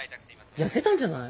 痩せたんじゃない？